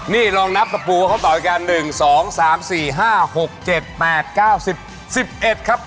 นี่ลองนับกับปู่ว่าเขาต่อกัน๑๒๓๔๕๖๗๘๙๑๐๑๑ครับ